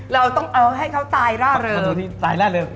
เราต้องเอาให้เขาตายร่าเริง